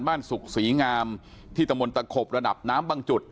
สุขศรีงามที่ตะมนตะขบระดับน้ำบางจุด